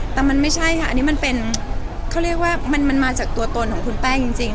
แต่มันไม่ใช่ค่ะอันนี้มันเป็นเขาเรียกว่ามันมาจากตัวตนของคุณแป้งจริง